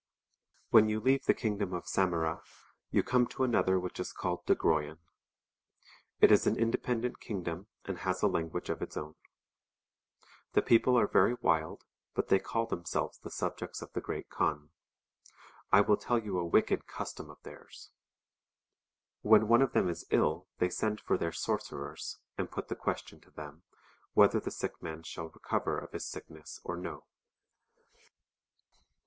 When you leave the kingdom of Samara you come to another which is called Dagroian. It is an independent kingdom, and has a language of its own. The people are very wild, but they call themselves the subjects of the Great Kaan. I will tell you a wicked custom of theirs."* When one of them is ill they send for their sorcerers, and put the question to them, whether the sick man shall recover of his sickness or no.